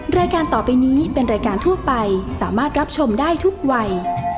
รายการต่อไปนี้เป็นรายการทั่วไปสามารถรับชมได้ทุกวัย